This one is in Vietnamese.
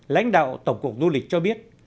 lãnh đạo tổng cục du lịch cho biết